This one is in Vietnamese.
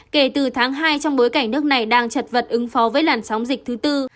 kể từ tháng hai trong bối cảnh nước này đang chật vật ứng phó với làn sóng dịch thứ tư